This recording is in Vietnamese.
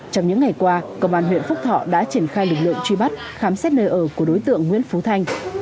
trong những ngày qua công an huyện phúc thọ đã triển khai lực lượng truy bắt khám xét nơi ở của đối tượng nguyễn phú thanh